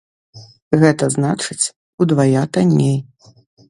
Гэта значыць, удвая танней.